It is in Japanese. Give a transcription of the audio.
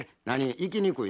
行きにくい？